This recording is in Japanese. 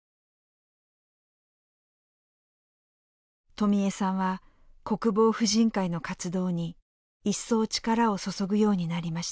とみゑさんは国防婦人会の活動に一層力を注ぐようになりました。